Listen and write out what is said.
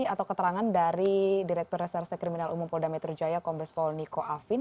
atau keterangan dari direktur reserse kriminal umum polda metro jaya kombes pol niko afin